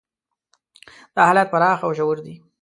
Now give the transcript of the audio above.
دا حالات پراخ او ژور دي.